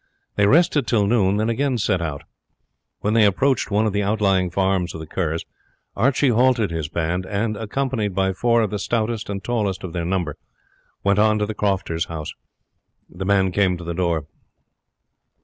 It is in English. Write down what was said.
They rested till noon, and then again set out. When they approached one of the outlying farms of the Kerrs, Archie halted his band, and, accompanied by four of the stoutest and tallest of their number, went on to the crofter's house. The man came to the door.